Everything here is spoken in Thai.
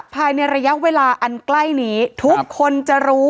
ภายในระยะเวลาอันใกล้นี้ทุกคนจะรู้